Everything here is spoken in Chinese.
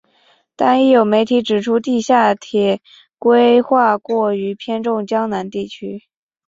但亦有媒体指出地下铁规划过于偏重江南地区。